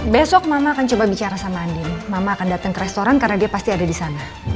besok mama akan coba bicara sama andin mama akan datang ke restoran karena dia pasti ada di sana